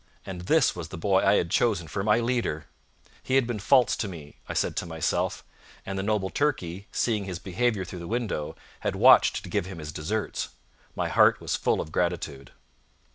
And this was the boy I had chosen for my leader! He had been false to me, I said to myself; and the noble Turkey, seeing his behaviour through the window, had watched to give him his deserts. My heart was full of gratitude.